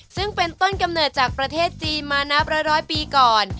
ซึ่งเป็นต้นกำเนิดจากประเทศจีนมานับร้อยปีก่อน